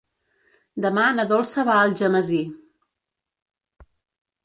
Demà na Dolça va a Algemesí.